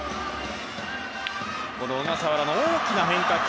小笠原の大きな変化球。